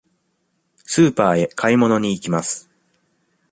スーパーへ買い物に行きます。